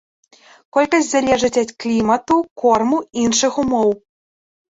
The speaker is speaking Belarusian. Колькасць залежыць ад клімату, корму, іншых умоў.